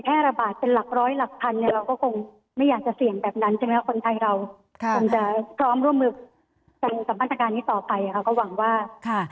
เพราะเราทำมาได้ดีแล้วนะคะ